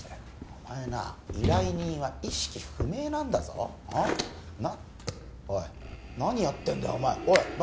お前な依頼人は意識不明なんだぞなおい何やってんだよおいッ何